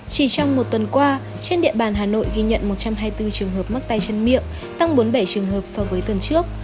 chỉ trong một tuần qua trên địa bàn hà nội ghi nhận một trăm hai mươi bốn trường hợp mắc tay chân miệng tăng bốn mươi bảy trường hợp so với tuần trước